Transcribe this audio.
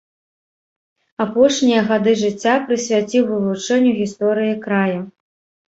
Апошнія гады жыцця прысвяціў вывучэнню гісторыі края.